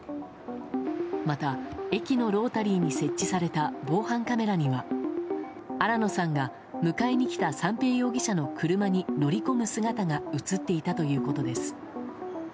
また、駅のロータリーに設置された防犯カメラには新野さんが迎えに来た三瓶容疑者の車に乗り込む姿が映っていたということです。